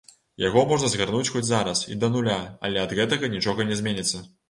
Яго можна згарнуць хоць зараз, і да нуля, але ад гэтага нічога не зменіцца.